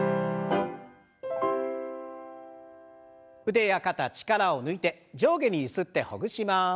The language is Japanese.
腕や肩力を抜いて上下にゆすってほぐします。